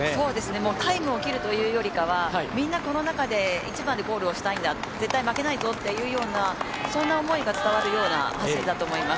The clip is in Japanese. もうタイムを切るというよりかはみんなこの中で一番でゴールをしたいんだ絶対負けないぞというようなそんな思いが伝わるような走りだと思います。